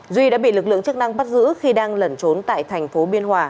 duy đã bị lực lượng chức năng bắt giữ khi đang lẩn trốn tại thành phố biên hòa